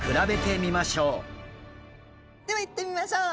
ではいってみましょう。